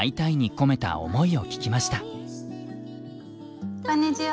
こんにちは。